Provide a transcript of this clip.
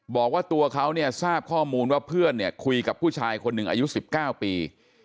บอกว่าตัวเขาเนี่ยทราบข้อมูลว่าเพื่อนเนี่ยคุยกับผู้ชายคนหนึ่งอายุ๑๙ปี